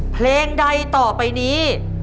เพลงใดต่อไปนี้